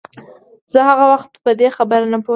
زه هغه وخت په دې خبره نه پوهېدم.